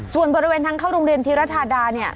ส่วนบริเวณทางเข้าโรงเรียนธีรธาดาเนี่ย